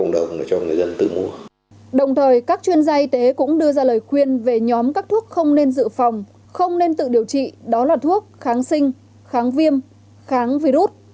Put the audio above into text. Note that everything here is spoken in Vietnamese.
đồng thời các chuyên gia y tế cũng đưa ra lời khuyên về nhóm các thuốc không nên dự phòng không nên tự điều trị đó là thuốc kháng sinh kháng viêm kháng virus